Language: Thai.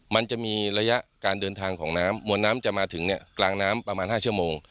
มันจะมีระยะการเดินทางของน้ำมวลน้ำจะมาถึงเนี่ยกลางน้ำประมาณ๕ชั่วโมง